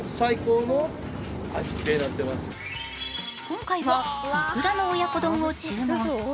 今回は、いくらの親子丼を注文。